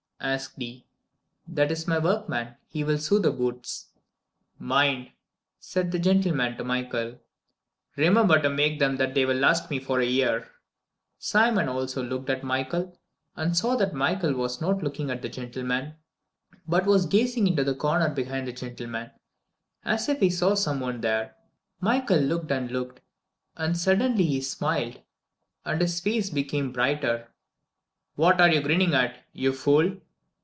asked he. "That is my workman. He will sew the boots." "Mind," said the gentleman to Michael, "remember to make them so that they will last me a year." Simon also looked at Michael, and saw that Michael was not looking at the gentleman, but was gazing into the corner behind the gentleman, as if he saw some one there. Michael looked and looked, and suddenly he smiled, and his face became brighter. "What are you grinning at, you fool?"